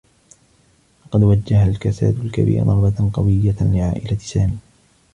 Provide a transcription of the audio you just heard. لقد وجّه الكساد الكبير ضربة قويّة لعائلة سامي.